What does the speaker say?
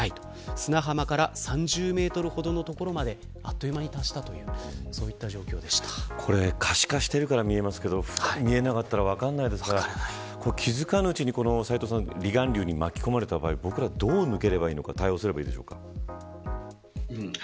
砂浜から３０メートルほどの所まであっという間に達したという状況でしたがこれ、可視化しているから見えますが見えなかったら分からないですから気づかないうちに離岸流に巻き込まれた場合僕らどう対応すればいいでしょうか。